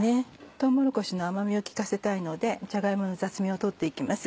とうもろこしの甘みを利かせたいのでじゃが芋の雑味を取って行きます。